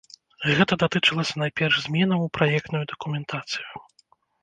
Гэта датычылася найперш зменаў у праектную дакументацыю.